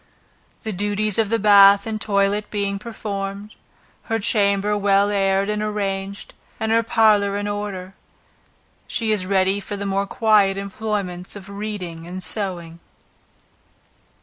The duties of the bath and toilet being performed, her chamber well aired and arranged and her parlor in order, she is ready for the more quiet employments of reading and sewing.